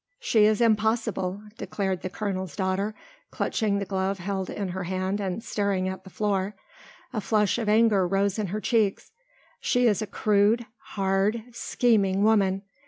"She is impossible," declared the colonel's daughter, clutching the glove held in her hand and staring at the floor. A flush of anger rose in her cheeks. "She is a crude, hard, scheming woman.